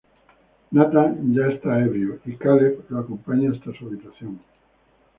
Nathan ya está ebrio, y Caleb lo acompaña hasta su habitación.